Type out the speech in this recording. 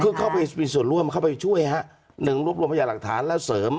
เพื่อเข้าไปมีส่วนร่วมเข้าไปช่วยฮะหนึ่งรวบรวมพยาหลักฐานและเสริม